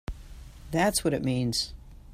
That's what it means!